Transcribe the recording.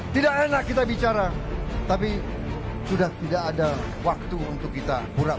tidak enak kita bicara tapi sudah tidak ada waktu untuk kita pura pura lagi